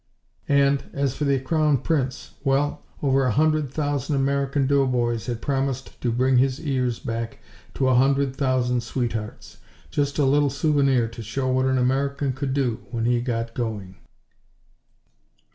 And as for the Crown Prince well, over a hundred thousand American doughboys had promised to bring his ears back to a hundred thousand sweet hearts just a little souvenir to show what an American could do when he got going.